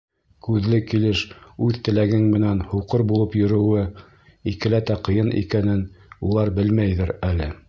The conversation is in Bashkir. Күҙле килеш үҙ теләгең менән һуҡыр булып йөрөүе икеләтә ҡыйын икәнен улар белмәйҙер әле.